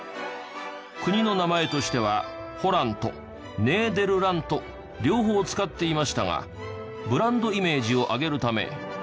国の名前としてはホラントネーデルラント両方使っていましたがブランドイメージを上げるため。